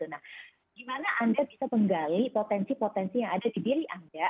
nah gimana anda bisa menggali potensi potensi yang ada di diri anda